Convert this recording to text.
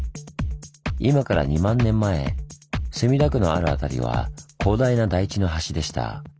今から２万年前墨田区のある辺りは広大な台地の端でした。